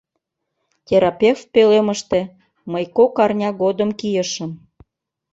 Терапевт пӧлемыште мый кок арня годым кийышым.